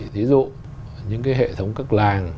ví dụ những cái hệ thống các làng